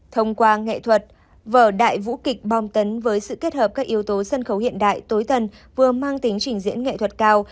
thông qua nghệ thuật vở đại vũ kịch bom tấn với sự kết hợp các yếu tố sân khấu hiện đại tối tần vừa mang tính trình diễn nghệ thuật cao